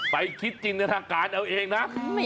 ไปคิดจริงในฐะการณ์เอาเองนะ